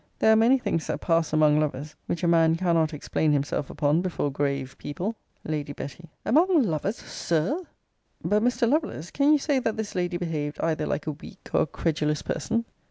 There are many things that pass among lovers, which a man cannot explain himself upon before grave people. Lady Betty. Among lovers, Sir r! But, Mr. Lovelace, can you say that this lady behaved either like a weak, or a credulous person?